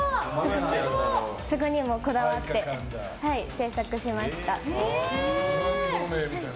ここにもこだわって制作しました。